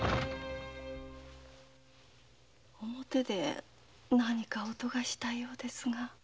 表で何か音がしたようですが？